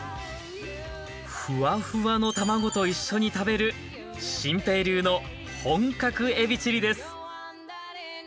フワフワの卵と一緒に食べる心平流の本格えびチリです